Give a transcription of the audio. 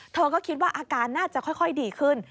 เธอก็คิดว่าอาการน่าจะค่อยดีขึ้น